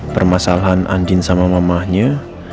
permasalahan andien sama mamanya